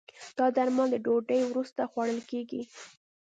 دا درمل د ډوډی وروسته خوړل کېږي.